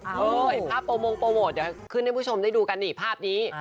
ไอ้ภาพโปรโมทเดี๋ยวขึ้นให้ผู้ชมได้ดูกันนี่ภาพนี้